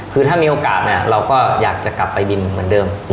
คือถ้ามีโอกาสเราก็อยากจะกลับไปบินเหมือนเดิม